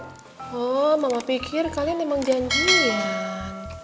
oh mama pikir kalian memang janjian